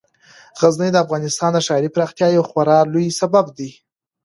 غزني د افغانستان د ښاري پراختیا یو خورا لوی سبب دی.